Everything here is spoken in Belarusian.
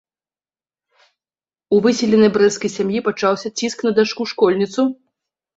У выселенай брэсцкай сям'і пачаўся ціск на дачку-школьніцу?